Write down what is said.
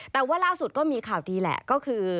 แต่ว่าล่าสุดก็มีข่าวดีแหละก็คือ